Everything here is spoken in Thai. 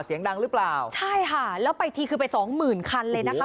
เสียงดังหรือเปล่าใช่ค่ะแล้วไปทีคือไปสองหมื่นคันเลยนะคะ